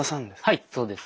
はいそうです。